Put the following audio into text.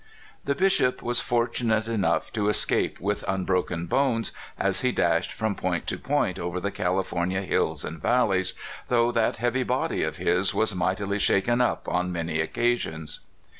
The Bishop was fortunate enough to escape with unbroken bones as he dashed from point to point over the California hills and valleys, though that heavy body of his was mightily shaken up on many occasions.